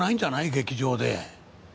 劇場で。